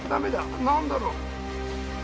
何だろう？